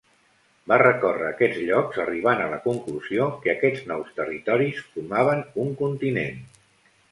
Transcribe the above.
Va recórrer aquests llocs, arribant a la conclusió que aquests nous territoris formaven un continent.